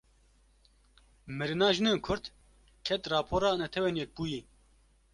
Mirina jinên Kurd, ket rapora Neteweyên Yekbûyî